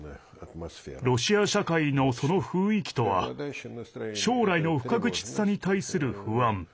ロシア社会の、その雰囲気とは将来の不確実さに対する不安。